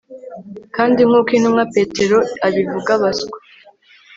kandi nkuko intumwa Petero abivuga abaswa